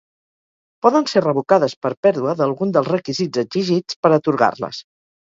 Poden ser revocades per pèrdua d'algun dels requisits exigits per atorgar-les.